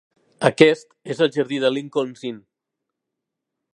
Aquest és el jardí del Lincoln's Inn.